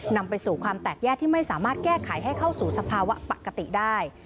นำไปสู่ความแตกแยกที่ไม่สามารถแก้ไขให้เข้าสู่สภาวะปกติได้